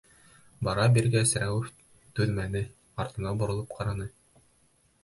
Бара биргәс Рәүеф түҙмәне, артына боролоп ҡараны.